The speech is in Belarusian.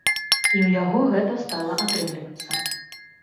І ў яго гэта стала атрымлівацца.